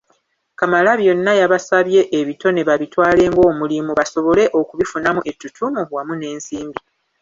Kamalabyonna yabasabye ebitone babitwale ng'omulimu basobole okubifunamu ettutumu wamu n'ensimbi.